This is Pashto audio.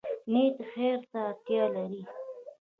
نیت خیر ته اړتیا لري